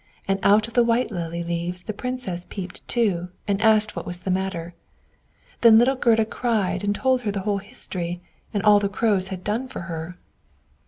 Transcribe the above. And out of the white lily leaves the Princess peeped too, and asked what was the matter. Then little Gerda cried and told her whole history, and all that the Crows had done for her.